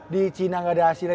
di china nggak ada hasilnya